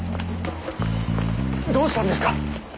どうしたんですか？